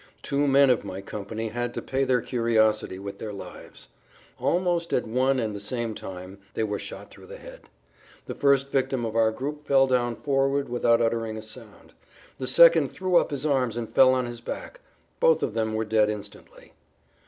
Two men of my company had to pay their curiosity with their lives. Almost at one and the same time they were shot through the head. The first victim of our group fell down forward without uttering a sound; the second threw up his arms and fell on his back. Both of them were dead instantly.